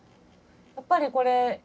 やっぱりこれＣＴ